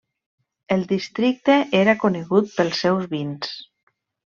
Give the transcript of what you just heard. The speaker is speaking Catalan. El districte era conegut pels seus vins.